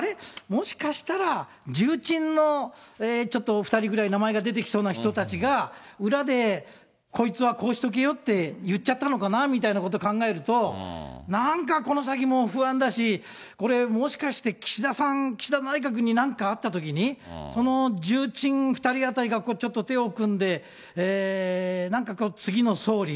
もしかしたら重鎮の、ちょっとお２人ぐらい名前が出てきそうな人たちが、裏でこいつはこうしとけよって言っちゃったのかなみたいなことを考えると、なんかこの先も不安だし、これもしかして、岸田さん、岸田内閣になんかあったときに、その重鎮２人あたりがちょっと手を組んで、なんか次の総理、